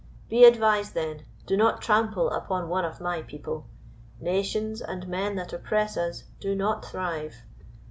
Be advised, then, do not trample upon one of my people. Nations and men that oppress us do not thrive.